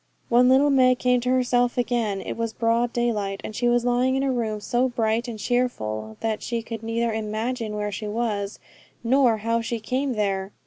When little Meg came to herself again it was broad daylight, and she was lying in a room so bright and cheerful that she could neither imagine where she was nor how she came there.